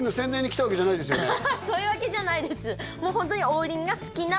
今日はそういうわけじゃないです